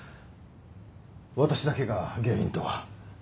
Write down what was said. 私だけが原因とは